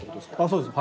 そうです。